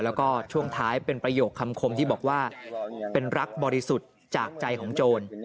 แล้วก็ช่วงท้ายเป็นประโยคคำคมที่บอกว่าเป็นรักบริสุทธิ์จากใจของโจร